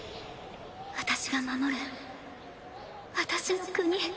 私が守る私の国。